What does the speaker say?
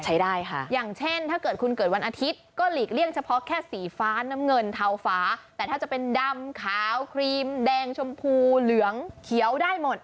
ใช้ได้ค่ะอย่างเช่นถ้าเกิดคุณเกิดวันอาทิตย์ก็หลีกเลี่ยงเฉพาะแค่สีฟ้าน้ำเงินเทาฟ้าแต่ถ้าจะเป็นดำขาวครีมแดงชมพูเหลืองเขียวได้หมด